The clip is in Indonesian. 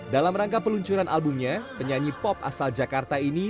dalam rangka peluncuran albumnya penyanyi pop asal jakarta ini